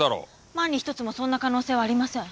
万に一つもそんな可能性はありません。